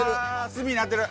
「済」になってる。